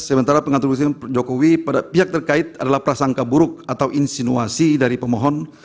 sementara pengatur presiden jokowi pada pihak terkait adalah prasangka buruk atau insinuasi dari pemohon